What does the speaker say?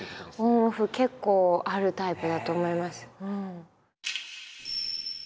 結構あるタイプだと思います。